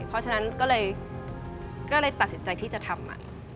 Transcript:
เพราะฉะนั้นก็เลยตัดสินใจที่จะทำ